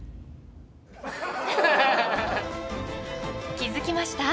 ［気付きました？